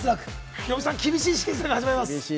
ヒロミさん、厳しい試験が始まります。